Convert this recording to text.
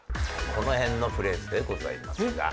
この辺のフレーズでございますが。